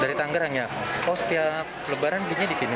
dari tangerang ya oh setiap lebaran belinya di sini